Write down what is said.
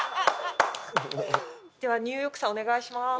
ではニューヨークさんお願いします。